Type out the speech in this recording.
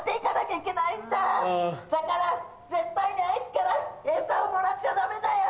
だから絶対にあいつから餌をもらっちゃダメだよ！